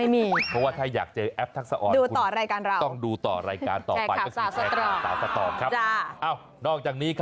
ไม่มี